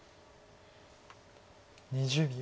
２０秒。